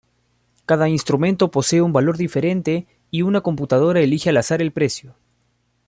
Cada instrumento posee un valor diferente y una computadora elige al azar el precio.